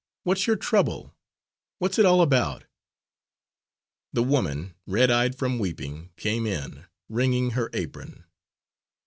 What's your trouble? What's it all about?" The woman, red eyed from weeping, came in, wringing her apron.